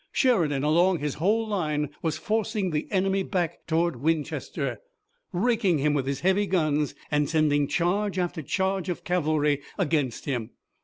Sheridan along his whole line was forcing the enemy back toward Winchester, raking him with his heavy guns, and sending charge after charge of cavalry against him.